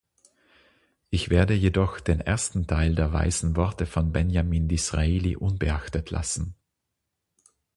Ich werde jedoch den ersten Teil der weisen Worte von Benjamin Disraeli unbeachtet lassen.